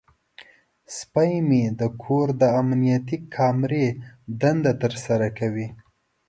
سپی مې د کور د امنیتي کامرې دنده ترسره کوي.